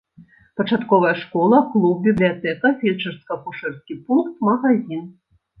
Пачатковая школа, клуб, бібліятэка, фельчарска акушэрскі пункт, магазін.